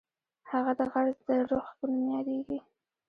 هغه غر د رُخ په نوم یادیږي.